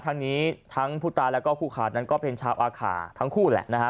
ทั้งนี้ทั้งผู้ตายแล้วก็คู่ขาดนั้นก็เป็นชาวอาขาทั้งคู่แหละนะฮะ